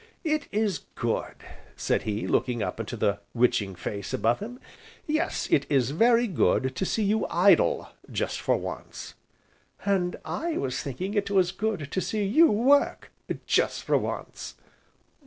"It is good," said he, looking up into the witching face, above him, "yes, it is very good to see you idle just for once." "And I was thinking it was good to see you work, just for once."